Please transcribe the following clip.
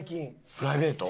プライベート？